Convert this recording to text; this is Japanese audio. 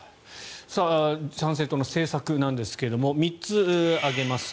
参政党の政策なんですが３つ挙げます。